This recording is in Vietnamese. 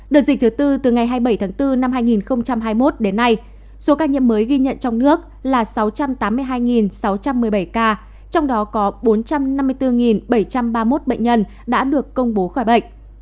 đợt dịch thứ tư từ ngày hai mươi bảy tháng bốn năm hai nghìn hai mươi một đến nay số ca nhiễm mới ghi nhận trong nước là sáu trăm tám mươi hai sáu trăm một mươi bảy ca trong đó có bốn trăm năm mươi bốn bảy trăm ba mươi một bệnh nhân đã được công bố khỏi bệnh